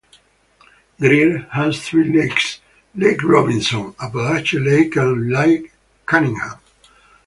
Greer has three lakes: Lake Robinson, Apalache Lake and Lake Cunningham.